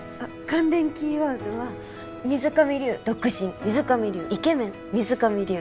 関連キーワードは水上龍独身水上龍イケメン水上龍